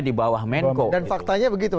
di bawah menko dan faktanya begitu